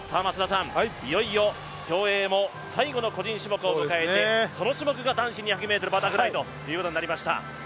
いよいよ競泳も最後の個人種目を迎えてその種目が男子２００ｍバタフライとなりました。